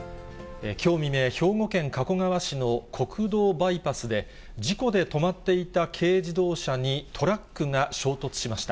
きょう未明、兵庫県加古川市の国道バイパスで、事故で止まっていた軽自動車にトラックが衝突しました。